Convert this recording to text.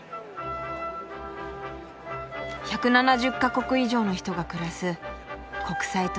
１７０か国以上の人が暮らす国際都市ブリュッセル。